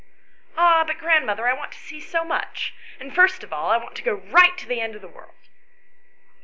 " Ah, but, grandmother, I want to see so much, and first of all, I want to go right to the end of the world."